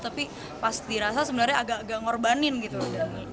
tapi pas dirasa sebenarnya agak agak ngorbanin gitu loh